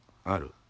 ある。